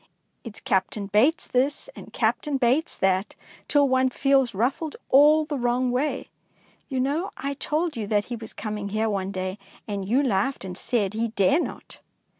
It^s Captain Bates this and Captain Bates that, till one feels ruffed all the wrong way. You know I told you that he was coming here one day, and you laughed and said he dare not